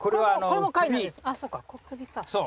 これも貝なんですか？